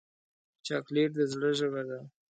چاکلېټ د زړه ژبه ده.